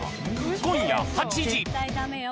今夜８時。